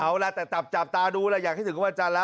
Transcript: เอาล่ะแต่จับตาดูแล้ว